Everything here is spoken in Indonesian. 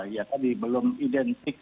ya tadi belum identik